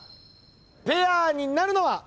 ペアになるのは？